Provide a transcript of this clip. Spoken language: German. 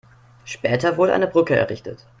Später wurde eine Brücke errichtet.